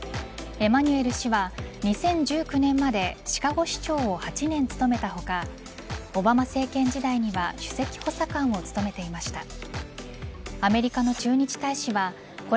エマニュエル氏は２０１９年までシカゴ市長を８年務めた他オバマ政権時代には首席補佐官を務めていました。